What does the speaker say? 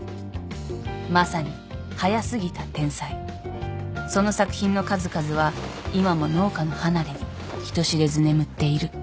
「まさに早すぎた天才」「その作品の数々は今も農家の離れに人知れず眠っている」